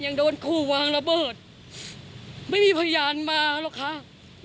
ยังโดนขู่วางระเบิดไม่มีพยานมาหรอกค่ะ